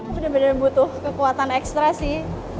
benar benar butuh kekuatan ekstra sih